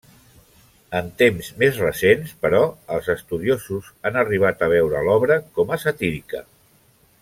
En temps més recents, però, els estudiosos han arribat a veure l'obra com a satírica.